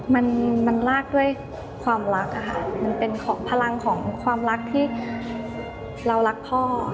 มันมันลากด้วยความรักค่ะมันเป็นของพลังของความรักที่เรารักพ่อ